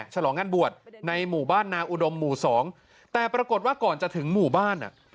ฉลองงานบวชในหมู่บ้านนาอุดมหมู่สองแต่ปรากฏว่าก่อนจะถึงหมู่บ้านอ่ะ